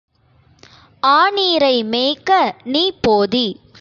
ஆநீரை மேய்க்க நீ போதி!